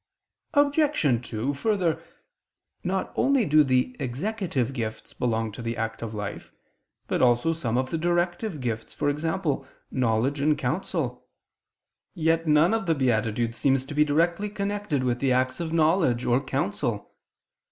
Obj. 2: Further, not only do the executive gifts belong to the active life, but also some of the directive gifts, e.g. knowledge and counsel: yet none of the beatitudes seems to be directly connected with the acts of knowledge or counsel.